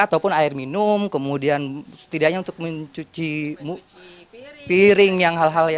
ataupun air minum kemudian setidaknya untuk mencuci piring yang hal hal